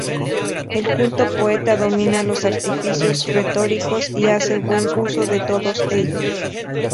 El culto poeta domina los artificios retóricos y hace buen uso de todos ellos.